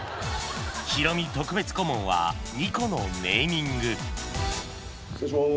ヒロミ特別顧問は２個のネーミング失礼します。